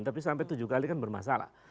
tapi sampai tujuh kali kan bermasalah